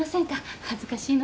恥ずかしいので。